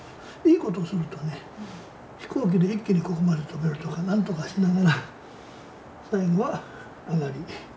いいことするとね飛行機で一気にここまで飛べるとか何とかしながら最後は上がり。